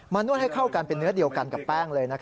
นวดให้เข้ากันเป็นเนื้อเดียวกันกับแป้งเลย